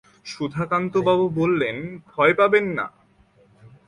সুধাকান্তবাবু বললেন, ভয় পাবেন না।